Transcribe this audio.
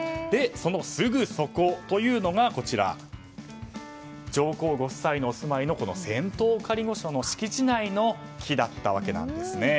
そのすぐそこというのが上皇ご夫妻のお住まいの仙洞仮御所の敷地内の木だったわけです。